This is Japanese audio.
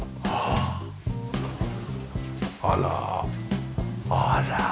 あらあら。